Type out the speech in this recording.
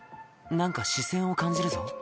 何か視線を感じるぞ」